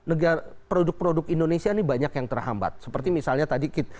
kita menggunakan kita menggunakan produk produk indonesia ini banyak yang terhambat seperti misalnya tadi kita